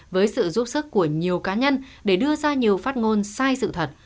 với sự giúp sức của nhiều cá nhân để đưa ra nhiều phát ngôn sai sự thật